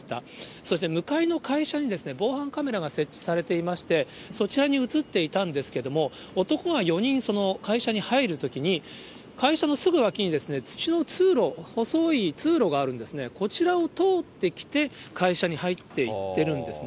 そして向かいの会社に防犯カメラが設置されていまして、そちらに写っていたんですけれども、男が４人、その会社に入るときに、会社のすぐ脇に、土の通路、細い通路があるんですね、こちらを通ってきて、会社に入っていってるんですね。